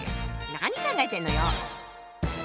何考えてんのよ。